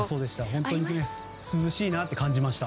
本当に涼しいなと感じました。